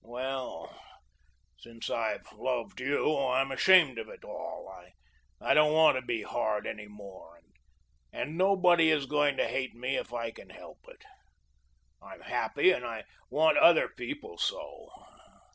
Well, since I've loved you I'm ashamed of it all. I don't want to be hard any more, and nobody is going to hate me if I can help it. I'm happy and I want other people so.